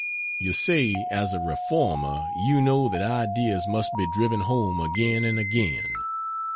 You say, "As a reformer, you know that ideas must be driven home again and again."